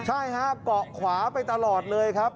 ใช่ฮะเกาะขวาไปตลอดเลยครับ